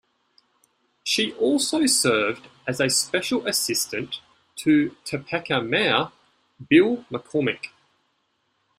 She also served as a Special Assistant to Topeka Mayor Bill McCormick.